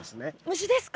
虫ですか？